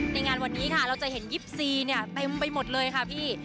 ในงานวันนี้ค่ะเราจะเห็น๒๔เนี่ยเต็มไปหมดเลยค่ะพี่